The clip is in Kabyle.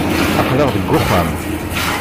Aql-aɣ deg wexxam.